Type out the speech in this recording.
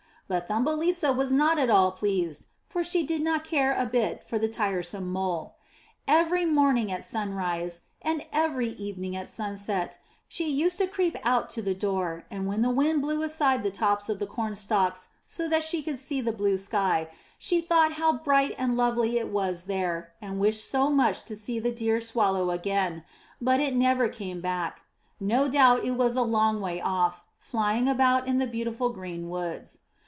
But Thumbelisa was not at all pleased, for she did not care a bit for the tiresome Mole. Every morning at sunrise and every evening at sunset she used to creep out to the door, and when the wind blew aside the tops of the cornstalks so that she could see the blue sky, she thought how bright and lovely it was out there and wished so much to see the dear Swallow again; but, it never came back; no doubt it was a long way off, flying about in the beautiful green woods.